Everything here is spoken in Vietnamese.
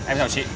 em chào chị